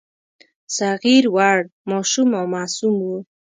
صغیر وړ، ماشوم او معصوم وو.